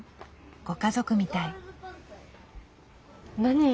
ご家族みたい。